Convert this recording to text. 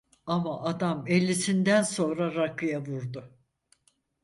Ama adam ellisinden sonra rakıya vurdu.